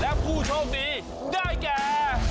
และผู้โชคดีได้แก่